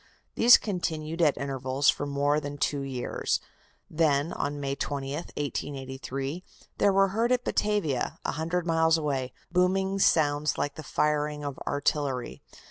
These continued at intervals for more that two years. Then, on May 20, 1883, there were heard at Batavia, a hundred miles away, "booming sounds like the firing of artillery."